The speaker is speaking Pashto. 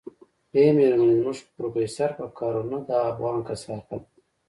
ای مېرمنې زموږ خو پروفيسر په کار و نه دا افغان کثافت.